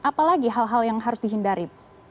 apalagi hal hal yang harus dihindari